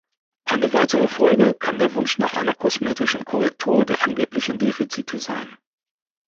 Eine weitere Folge kann der Wunsch nach einer kosmetischen Korrektur der angeblichen Defizite sein.